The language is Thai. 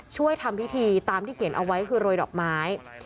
ทำพิธีตามที่เขียนเอาไว้คือโรยดอกไม้